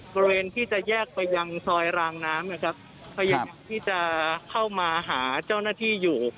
บริเวณที่จะแยกไปยังซอยรางน้ำนะครับพยายามที่จะเข้ามาหาเจ้าหน้าที่อยู่